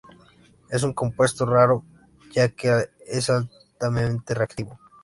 Es un compuesto raro ya que es altamente reactivo.